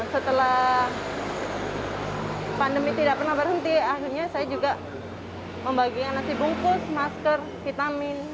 setelah pandemi tidak pernah berhenti akhirnya saya juga membagikan nasi bungkus masker vitamin